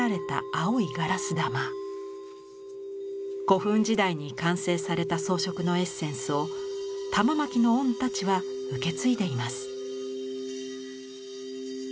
古墳時代に完成された装飾のエッセンスを玉纏御太刀は受け継いでいます。